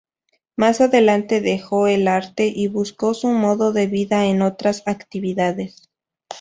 Más adelante dejó el arte y buscó su modo de vida en otras actividades.